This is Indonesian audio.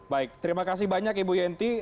baik terima kasih banyak ibu yenti